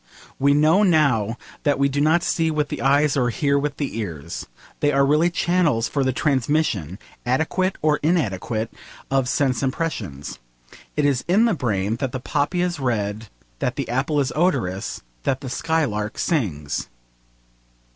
We know now that we do not see with the eyes or hear with the ears. They are really channels for the transmission, adequate or inadequate, of sense impressions. It is in the brain that the poppy is red, that the apple is odorous, that the skylark sings.